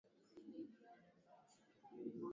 Rais wa tatu aliyemfuata alikuwa Ali Hassan Mwinyi